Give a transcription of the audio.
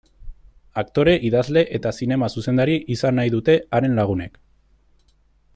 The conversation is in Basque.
Aktore, idazle eta zinema-zuzendari izan nahi dute haren lagunek.